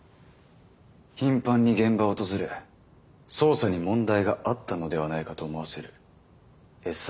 頻繁に現場を訪れ捜査に問題があったのではないかと思わせる餌をまいた。